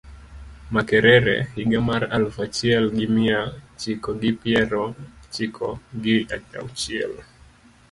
Makerere higa mar aluf achiel gi miya chiko gi piero chiko gi auchiel